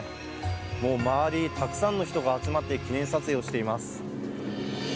もう周り、たくさんの人が集まって記念撮影をしています。